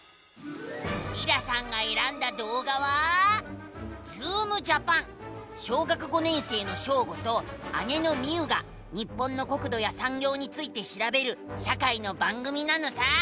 りらさんがえらんだどうがは小学５年生のショーゴと姉のミウが日本の国土やさんぎょうについてしらべる社会の番組なのさ！